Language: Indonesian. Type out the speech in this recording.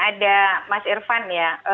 ada mas irvan ya